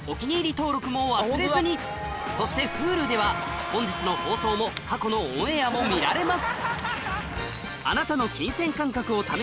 登録も忘れずにそしてＨｕｌｕでは本日の放送も過去のオンエアも見られます